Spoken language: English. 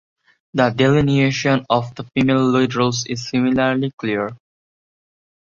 The delineation of the female lead roles is similarly clear.